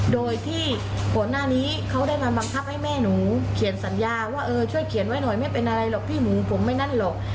โดยที่ก่อนหน้านี้เขาได้มาบังคับให้แม่หนูเขียนสัญญาว่าเออช่วยเขียนไว้หน่อยไม่เป็นอะไรหรอกพี่หนูผมไม่นั่นหรอก